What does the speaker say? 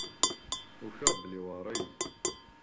Ufiɣ belli iwɛer-iyi.